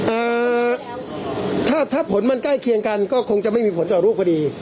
อ่าถ้าถ้าผลมันใกล้เคียงกันก็คงจะไม่มีผลต่อรูปพอดี